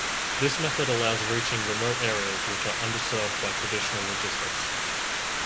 This method allows reaching remote areas (which are underserved by traditional logistics).